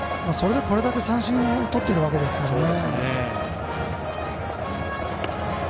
それでこれだけ三振をとっているわけですから。